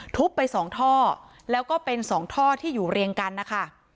ไปสองท่อแล้วก็เป็นสองท่อที่อยู่เรียงกันนะคะ